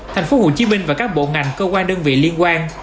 thành phố hồ chí minh và các bộ ngành cơ quan đơn vị liên quan